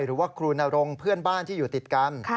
หรือว่าครูนรงค์เพื่อนบ้านที่อยู่ติดกัน